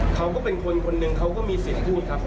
เขาก็เป็นคนคนหนึ่งเขาก็มีสิทธิ์พูดครับ